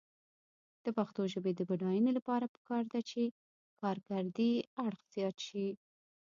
د پښتو ژبې د بډاینې لپاره پکار ده چې کارکردي اړخ زیات شي.